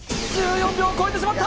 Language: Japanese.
１４秒超えてしまった。